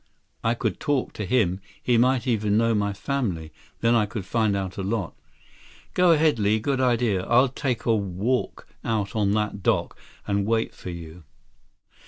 "I could talk to him. He might even know my family, then I could find out a lot." "Go ahead, Li. Good idea. I'll take a walk out on that dock and wait for you."